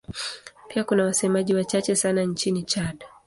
Pia kuna wasemaji wachache sana nchini Chad.